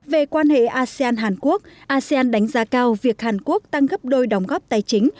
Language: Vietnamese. về quan hệ asean hàn quốc asean đánh giá cao việc hàn quốc tăng gấp đôi đóng góp tài chính